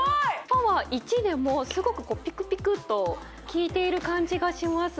パワー１でもすごくピクピクと効いている感じがします